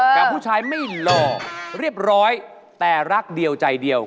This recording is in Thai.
กับผู้ชายไม่หล่อเรียบร้อยแต่รักเดียวใจเดียว